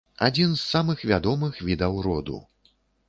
Адзін з самых вядомых відаў роду.